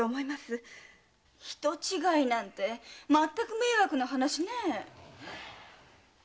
人違いなんてまったく迷惑な話ね。